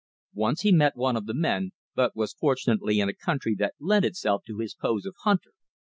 Once he met one of the men; but was fortunately in a country that lent itself to his pose of hunter.